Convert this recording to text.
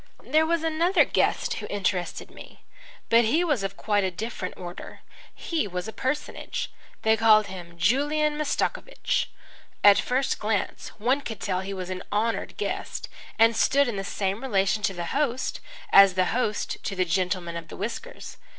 There was another guest who interested me. But he was of quite a different order. He was a personage. They called him Julian Mastakovich. At first glance one could tell he was an honoured guest and stood in the same relation to the host as the host to the gentleman of the whiskers.